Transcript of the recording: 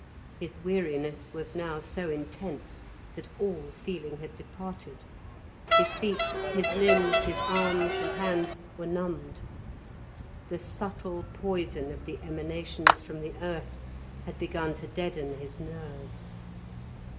His weariness was now so intense that all feeling had departed. His feet, his limbs, his arms, and hands were numbed. The subtle poison of the emanations from the earth had begun to deaden his nerves.